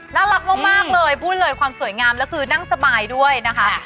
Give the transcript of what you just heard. น่ารักมากเลยพูดเลยความสวยงามแล้วคือนั่งสบายด้วยนะคะ